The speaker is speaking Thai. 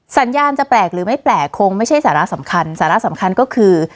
สัญญาณจะแปลกหรือไม่แปลกคงไม่ใช่สาระสำคัญสาระสำคัญก็คือ